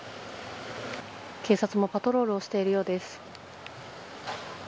警察もパトロールをしているようです。